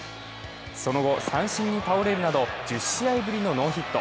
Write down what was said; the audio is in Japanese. その後、三振に倒れるなど１０試合ぶりのノーヒット。